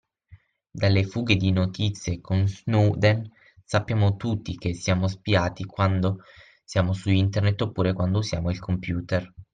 Dalle fughe di notizie con Snowden sappiamo tutti che siamo spiati quando siamo su Internet oppure quando usiamo il computer.